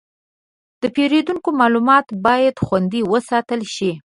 د پیرودونکو معلومات باید خوندي وساتل شي.